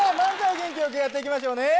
元気よくやって行きましょうね。